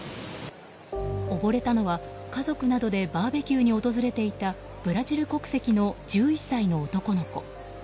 溺れたのは、家族などでバーベキューに訪れていたブラジル国籍の１１歳の男の子。